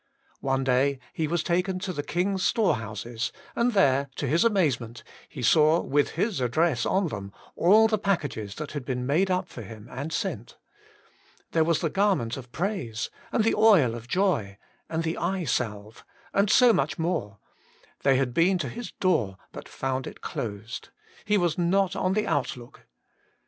One day he was taken to the king's store houses, and there, to his amaze ment, he saw, with his address on them, all the packages that had been made up for him, and sent. There was the garment of praise, and the oil of joy, and the eyesalve, and so much more ; they had been to his door, but found it closed ; he was not on the outlook.